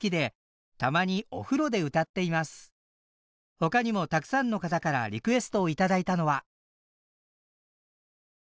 ほかにもたくさんの方からリクエストを頂いたのは。